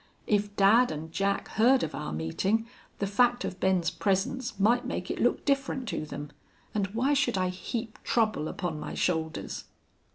If dad and Jack heard of our meeting the fact of Ben's presence might make it look different to them. And why should I heap trouble upon my shoulders?"